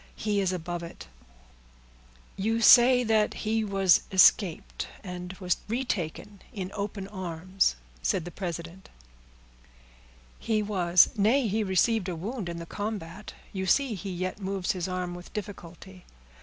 He is above it." "You say that he escaped, and was retaken in open arms?" said the president. "He was; nay, he received a wound in the combat. You see he yet moves his arm with difficulty.